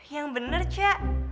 yang bener ca